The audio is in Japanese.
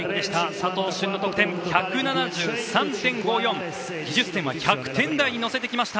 佐藤駿の得点は１７３．５４技術点１００点台に乗せました。